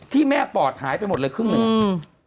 ที่แม่ปอดหายไปหมดเลยครึ่งหนึ่งอ่ะอืม